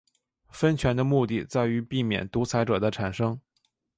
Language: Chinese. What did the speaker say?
分权的目的在于避免独裁者的产生。